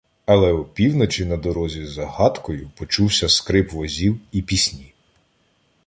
Але опівночі на дорозі за гаткою почувся скрип возів і пісні.